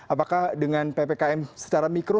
apakah dengan ppkm secara mikro